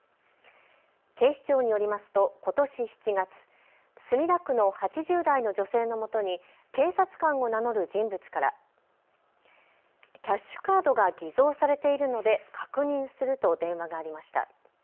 警視庁によりますとことし７月、墨田区の８０代の女性のもとに警察官を名乗る人物からキャッシュカードが偽造されているので確認すると電話がありました。